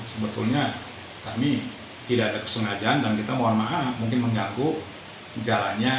sebetulnya kami tidak ada kesengajaan dan kita mohon maaf mungkin mengganggu jalannya